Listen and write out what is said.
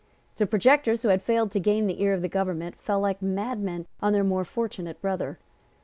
The projectors who had failed to gain the ear of the government fell like madmen on their more fortunate brother.